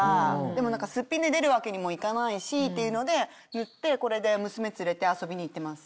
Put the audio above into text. でもすっぴんで出るわけにもいかないしっていうので塗ってこれで娘連れて遊びに行ってます。